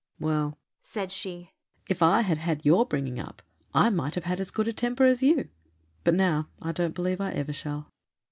"Well," said she, "if I had had your bringing up I might have had as good a temper as you, but now I don't believe I ever shall."